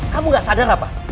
kamu gak sadar apa